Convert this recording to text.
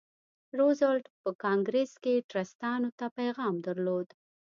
روزولټ په کانګریس کې ټرستانو ته پیغام درلود.